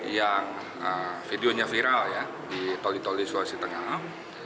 yang videonya viral ya di toli toli sulawesi tengah